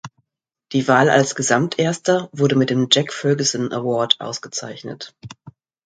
Die Wahl als Gesamterster wurde mit dem Jack Ferguson Award ausgezeichnet.